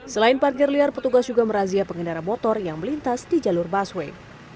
selain parkir liar petugas juga merazia pengendara motor yang melintas di jalur busway